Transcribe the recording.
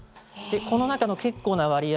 この中の結構な割合